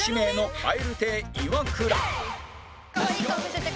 はい。